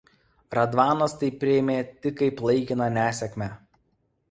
Radvanas tai priėmė tik kaip laikiną nesėkmę.